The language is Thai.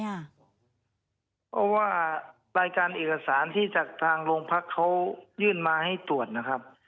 เพราะว่ารายการเอกสารที่จากทางโรงพักเขายื่นมาให้ตรวจนะครับ